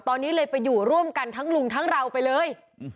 ตอนนี้เลยไปอยู่ร่วมกันทั้งลุงทั้งเราไปเลย